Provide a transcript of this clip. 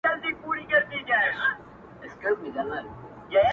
دېوالونه په پردو کي را ايسار دي!!